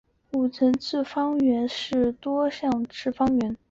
五次方程是一种最高次数为五次的多项式方程。